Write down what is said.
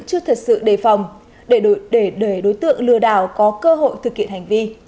chưa thật sự đề phòng để đối tượng lừa đảo có cơ hội thực hiện hành vi